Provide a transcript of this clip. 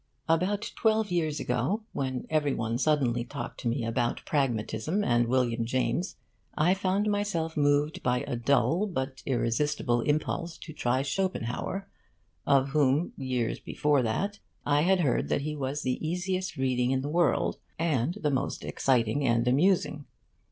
About twelve years ago, when every one suddenly talked to me about Pragmatism and William James, I found myself moved by a dull but irresistible impulse to try Schopenhauer, of whom, years before that, I had heard that he was the easiest reading in the world, and the most exciting and amusing.